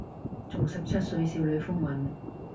仲十七歲少女風韻